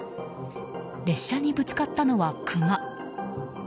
列車にぶつかったのはクマ。